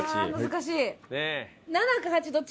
難しい！